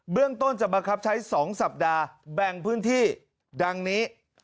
เรื่องต้นจะบังคับใช้๒สัปดาห์แบ่งพื้นที่ดังนี้